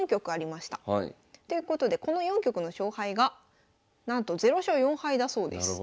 ということでこの４局の勝敗がなんと０勝４敗だそうです。